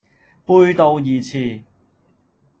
背道而馳